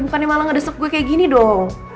bukannya malah ngedesuk gue kayak gini dong